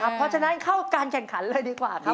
เพราะฉะนั้นเข้าการแข่งขันเลยดีกว่าครับ